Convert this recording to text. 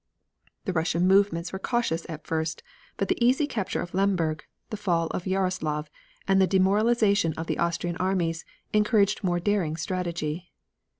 The Russian movements were cautious at first, but the easy capture of Lemberg, the fall of Jaroslav, and the demoralization of the Austrian armies, encouraged more daring strategy.